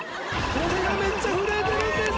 手がめっちゃ震えてるんです。